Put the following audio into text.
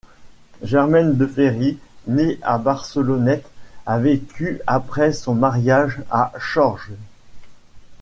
Germaine de Ferry, née à Barcelonnette, a vécu après son mariage à Chorges.